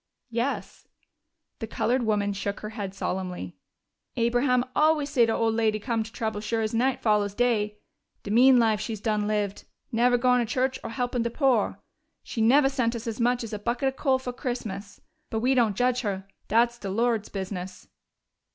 "Yes." The colored woman shook her head solemnly. "Abraham always say de old lady'd come to trouble sure as night follows day. De mean life she's done lived neve' goin' to church or helpin' de poor. She neve' sent us so much as a bucket of coal fo' Christmas. But we don't judge her dat's de Lord's business."